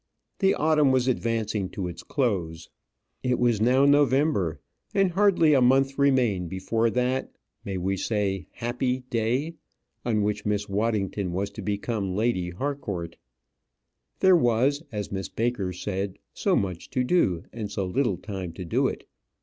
The autumn was advancing to its close. It was now November, and hardly a month remained before that may we say happy day? on which Miss Waddington was to become Lady Harcourt. There was, as Miss Baker said, so much to do, and so little time to do it!